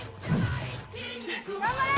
頑張れ